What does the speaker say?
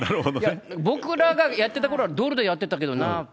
僕らがやってたころはドルでやってたけどな。